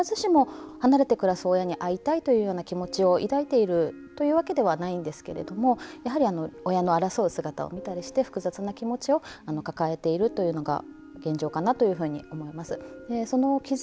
いずれも、必ずしも離れて暮らす親に会いたいというような気持ちを抱いているわけではないんですけれども親の争う気持ちを見たりして複雑な気持ちを抱えているのが現状かなと思います。